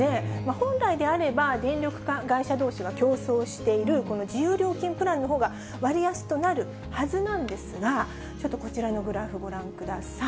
本来であれば、電力会社どうしが競争しているこの自由料金プランのほうが、割安となるはずなんですが、ちょっとこちらのグラフご覧ください。